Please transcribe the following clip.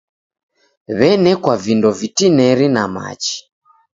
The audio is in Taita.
W'enekwa vindo vitineri na machi.